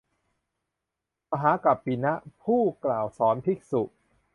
พระมหากัปปินะ ผู้กล่าวสอนภิกษุ